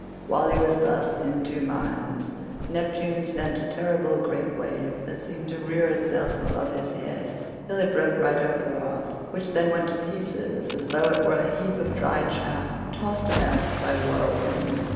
While he was thus in two minds, Neptune sent a terrible great wave that seemed to rear itself above his head till it broke right over the raft, which then went to pieces as though it were a heap of dry chaff tossed about by a whirlwind.